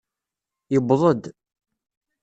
Yewweḍ-d.